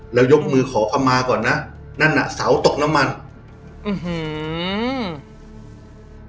แล้วยกมือขอคำมาก่อนนะนั่นน่ะเสาตกน้ำมันอื้อหือ